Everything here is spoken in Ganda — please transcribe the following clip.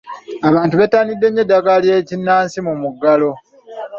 Abantu bettaniddde nnyo eddagala ly’ekinnansi mu muggalo.